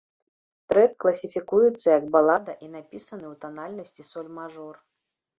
Трэк класіфікуецца як балада і напісаны ў танальнасці соль мажор.